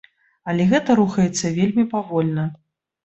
Але гэта рухаецца вельмі павольна.